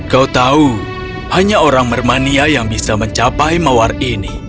kau tahu hanya orang mermania yang bisa mencapai mawar ini